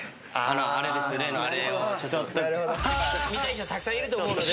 見たい人がたくさんいると思うので。